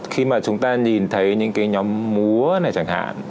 khi mà chúng ta nhìn thấy những cái nhóm múa này chẳng hạn